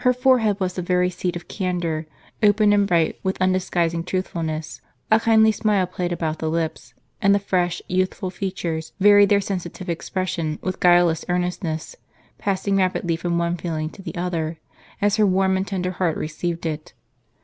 forehead was the very seat of candor, open and bright with un disguising truthfulness ; a kindly smile played about the lips, and the fresh, youthful features varied their sensitive expres sion with guileless earnestness, passing rapidly from one feel ing to the other, as her warm and tender heart received it.